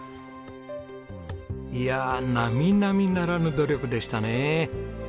いや並々ならぬ努力でしたね。